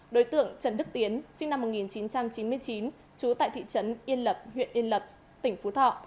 đối tượng trần đức tiến sinh năm một nghìn chín trăm chín mươi chín trú tại thị trấn yên lập huyện yên lập tỉnh phú thọ